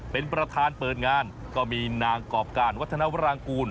เป็นประธานเปิดงานก็มีนางกรอบการวัฒนาวรางกูล